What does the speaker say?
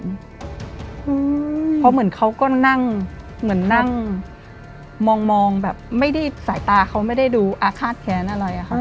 เพราะเหมือนเขาก็นั่งเหมือนนั่งมองแบบไม่ได้สายตาเขาไม่ได้ดูอาฆาตแค้นอะไรอะค่ะ